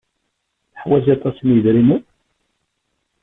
Teḥwaj aṭas n yidrimen?